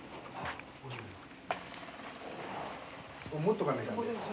持っとかなきゃ。